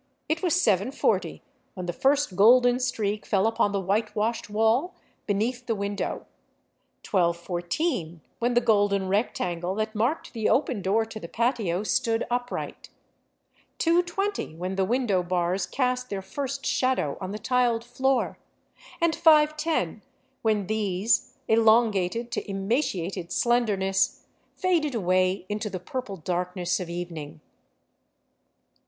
It was 7 140 when the first golden streak fell upon the whitewashed wall beneath the window ; 12:14 when the golden rectangle that marked the open door to the patio stood upright ; 2 :20 when the window bars cast their first shadow on the tiled floor; and 5 :io when these, elongated to emaciated slenderness, faded away into. the purple darkness of evening.